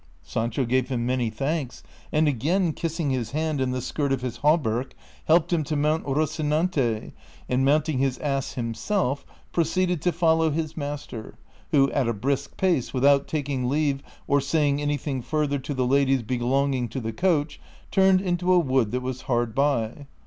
Sancho gave him many thanks, and again kissing his hand and the skirt of his hauberk, hel})ed him to mount Kocinante, and mounting his ass himself, proceeded to follow his master, who at a brisk pace, without taking leave, or saying anything further to the ladies belonging to the coach, turned into a wood that was hard by.